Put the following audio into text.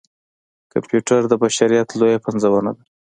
کمپیوټر د بشريت لويه پنځونه ده.